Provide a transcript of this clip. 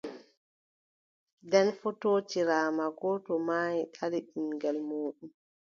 Nden fotootiraama, gooto maayi, ɗali ɓiŋngel muuɗum.